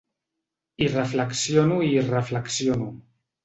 Hi reflexiono i hi reflexiono.